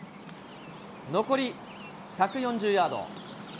残り１４０ヤード。